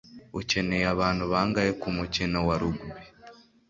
Ukeneye abantu bangahe kumukino wa rugby?